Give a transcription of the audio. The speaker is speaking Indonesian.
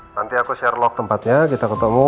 nanti aku share lok tempatnya kita ketemu